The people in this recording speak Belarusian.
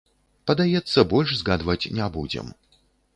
Падаецца, больш згадваць не будзем.